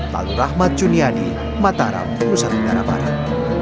lalu rahmat juniadi mataram nusa tenggara barat